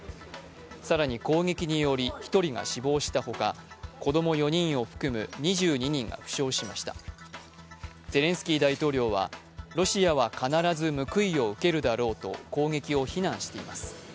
更に攻撃により１人が死亡したほか子供４人を含む２２人が負傷しましたゼレンスキー大統領はロシアは必ず報いを受けるだろうと攻撃を非難しています。